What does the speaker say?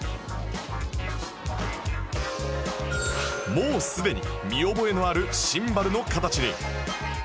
もうすでに見覚えのあるシンバルの形に